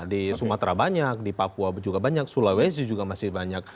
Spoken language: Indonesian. di sumatera banyak di papua juga banyak sulawesi juga masih banyak